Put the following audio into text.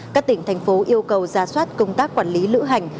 các tỉnh thành phố yêu cầu ra soát công tác quản lý lữ hành